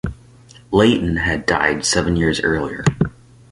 Leighton had died seven years earlier.